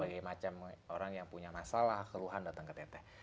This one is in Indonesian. berbagai macam orang yang punya masalah keluhan datang ke teteh